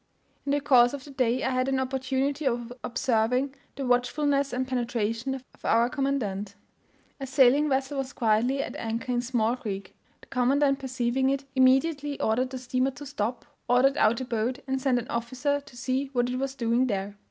In the course of the day I had an opportunity of observing the watchfulness and penetration of our commandant. A sailing vessel was quietly at anchor in a small creek. The commandant, perceiving it, immediately ordered the steamer to stop, ordered out a boat, and sent an officer to see what it was doing there.